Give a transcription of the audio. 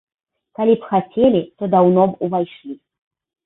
Калі б хацелі, то даўно б ўвайшлі.